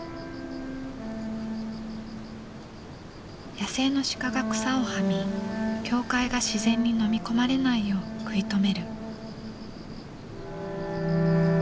野生の鹿が草を食み教会が自然にのみ込まれないよう食い止める。